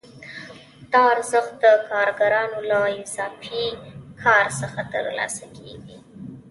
دا ارزښت د کارګرانو له اضافي کار څخه ترلاسه کېږي